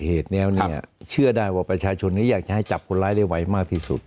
เหตุนี้เนี่ยเชื่อได้ว่าประชาชนนี้อยากจะให้จับคนร้ายได้ไวมากที่สุด